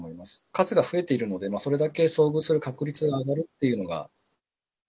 数が増えているので、それだけ遭遇する確率が上がるっていうのが。